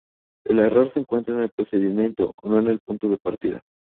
El error se encuentra en el procedimiento, no en el punto de partida.